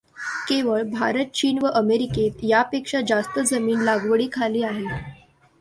केवळ भारत, चीन व अमेरिकेत यापेक्षा जास्त जमीन लागवडीखाली आहे.